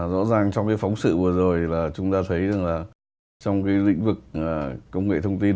rõ ràng trong phóng sự vừa rồi chúng ta thấy trong lĩnh vực công nghệ thông tin